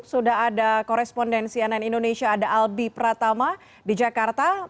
sudah ada korespondensi ann indonesia ada albi pratama di jakarta